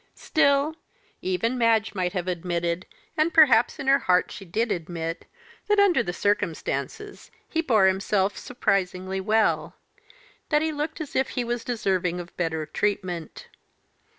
Still, even Madge might have admitted, and perhaps in her heart she did admit, that, under the circumstances, he bore himself surprisingly well; that he looked as if he was deserving of better treatment.